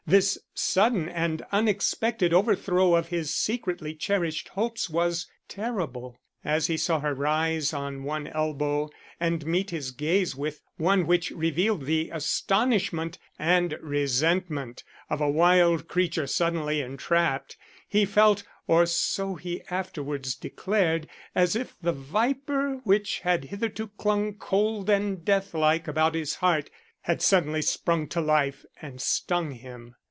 This sudden and unexpected overthrow of his secretly cherished hopes was terrible. As he saw her rise on one elbow and meet his gaze with one which revealed the astonishment and resentment of a wild creature suddenly entrapped, he felt, or so he afterwards declared, as if the viper which had hitherto clung cold and deathlike about his heart had suddenly sprung to life and stung him.